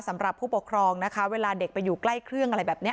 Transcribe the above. สำหรับผู้ปกครองนะคะเวลาเด็กไปอยู่ใกล้เครื่องอะไรแบบนี้